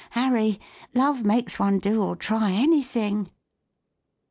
Harry, love makes one do or try anything!